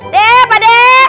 deh pak deh